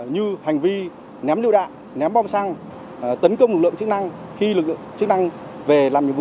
như hành vi ném lựu đạn ném bom xăng tấn công lực lượng chức năng khi lực lượng chức năng về làm nhiệm vụ